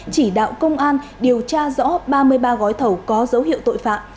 chỉ đạo công an điều tra rõ ba mươi ba gói thầu có dấu hiệu tội phạm